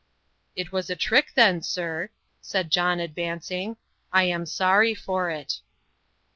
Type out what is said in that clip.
"It was a trick then, sir," said John, advancing. "I am sorry for it."